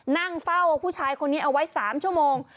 นั่งเฝ้าผู้ชายคนนี้เอาไว้๓ชั่วโมง